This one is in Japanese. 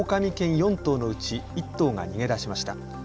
４頭のうち１頭が逃げ出しました。